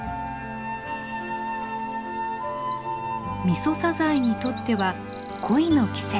ミソサザイにとっては恋の季節。